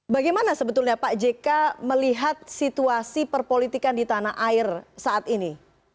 bagaimana sebetulnya pak jk melihat situasi perpolitikan di tanah air saat ini